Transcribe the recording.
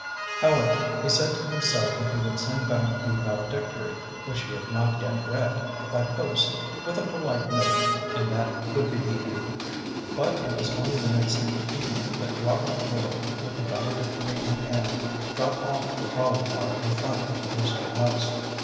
However, he said to himself that he would send back the valedictory which he had not yet read by post, with a polite note, and that would be the end. But it was only the next evening that Robert Lloyd with the valedictory in hand got off the trolley car in front of the Brewster house.